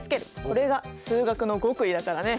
それが数学の極意だからね。